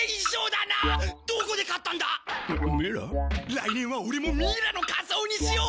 来年はオレもミイラの仮装にしよう！